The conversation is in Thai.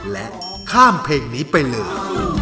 และข้ามเพลงนี้ไปเลย